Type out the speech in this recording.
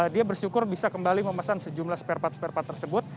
dia bersyukur bisa kembali memesan sejumlah spare part spare part tersebut